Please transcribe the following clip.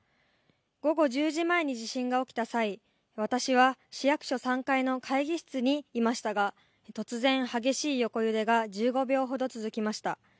午後１０時前に地震が起きた際私は市役所３階の会議室にいましたが突然、激しい横揺れが１５秒ほど続きました。